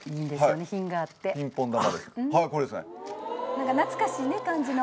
何か懐かしい感じの。